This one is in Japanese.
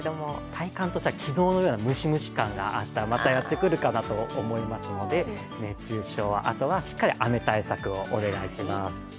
体感としては、昨日のようなムシムシ感が明日やってくるかなと思いますので熱中症、あとはしっかり雨対策をお願いします。